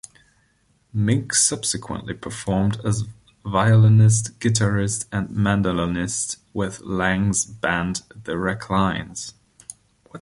Mink subsequently performed as violinist, guitarist, and mandolinist with lang's band, the Reclines.